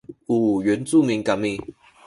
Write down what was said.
u yuancumin kami